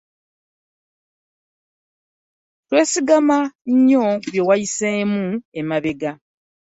Teweesigama nnyo ku bye wayiseemu emabega.